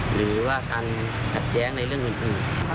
หรือว่าการขัดแย้งในเรื่องอื่น